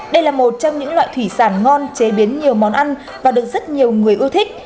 đây là một trong những loại thủy sản ngon chế biến nhiều món ăn và được rất nhiều người ưa thích